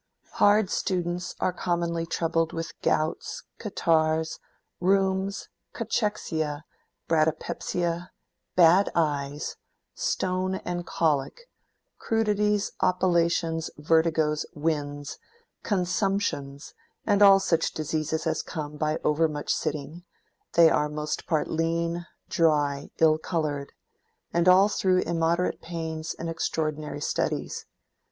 "Hard students are commonly troubled with gowts, catarrhs, rheums, cachexia, bradypepsia, bad eyes, stone, and collick, crudities, oppilations, vertigo, winds, consumptions, and all such diseases as come by over much sitting: they are most part lean, dry, ill colored … and all through immoderate pains and extraordinary studies.